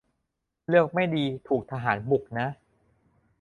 เลือกไม่ดีถูกทหารบุกนะ